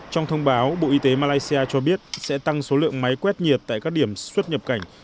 trong thông báo bộ y tế malaysia cho biết sẽ tăng số lượng máy quét nhiệt tại các điểm xuất nhập cảnh